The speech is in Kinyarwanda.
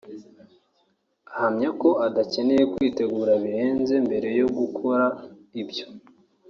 Ahamya ko adakeneye kwitegura birenze mbere yo gukora ibyo